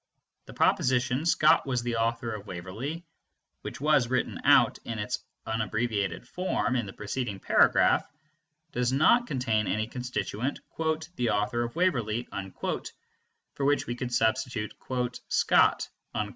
The proposition "Scott was the author of Waverley," which was written out in its unabbreviated form in the preceding paragraph, does not contain any constituent "the author of Waverley" for which we could substitute "Scott."